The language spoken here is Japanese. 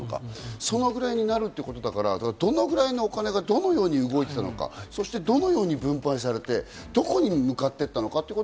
そのぐらいになるということだから、どのぐらいのお金がどのように動いていくのか、そしてどのように分配されて、どこに向かっていったのか。